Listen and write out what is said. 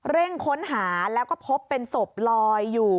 เร่งค้นหาแล้วก็พบเป็นศพลอยอยู่